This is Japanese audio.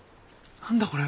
何だこれ？